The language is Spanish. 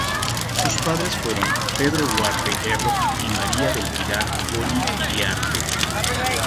Sus padres fueron Pedro Huarte Erro y María del Pilar Goñi Iriarte.